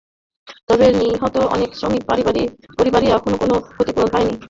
তবে নিহত অনেক শ্রমিকের পরিবারই এখনও কোনো ক্ষতিপূরন পাননি বলে অভিযোগ করেছেন।